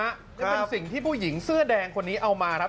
นี่เป็นสิ่งที่ผู้หญิงเสื้อแดงคนนี้เอามาครับ